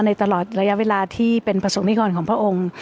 ตลอดระยะเวลาที่เป็นประสงค์นิกรของพระองค์